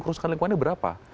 kerusakan lingkungannya berapa